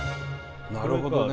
なるほどね。